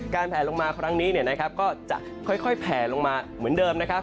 แผลลงมาครั้งนี้เนี่ยนะครับก็จะค่อยแผลลงมาเหมือนเดิมนะครับ